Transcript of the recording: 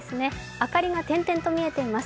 明かりが点々と見えています。